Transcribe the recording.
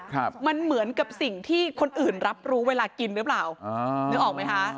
ครับมันเหมือนกับสิ่งที่คนอื่นรับรู้เวลากินหรือเปล่าอ่านึกออกไหมคะ